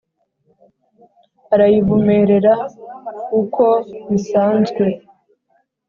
Arayivumerera ukwo bisanzwe